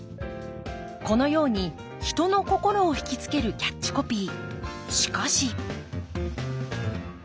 このように人の心をひきつけるキャッチコピー。